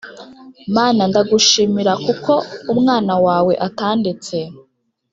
mana ndagushimira kuko umwana wawe atandetse